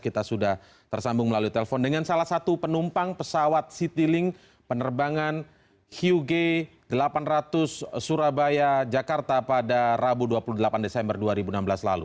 kita sudah tersambung melalui telepon dengan salah satu penumpang pesawat citylink penerbangan huge delapan ratus surabaya jakarta pada rabu dua puluh delapan desember dua ribu enam belas lalu